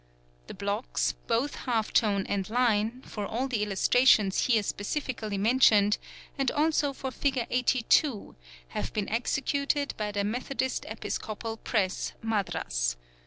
The blocks, both half tone and line, for all the illustrations here specifically mentioned and also for Figure 82, have been executed by the Methodist Episcopal Press, Madras.